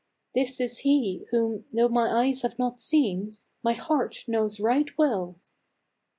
This is he whom, though my eyes have not seen, my heart knows right well."